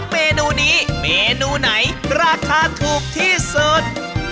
เมนูนี้เมนูไหนราคาถูกที่สุด